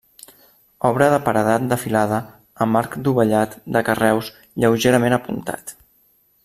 Obra de paredat de filada, amb arc dovellat, de carreus, lleugerament apuntat.